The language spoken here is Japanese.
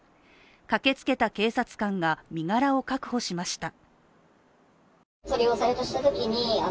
駆けつけた警察官が、身柄を確保しました。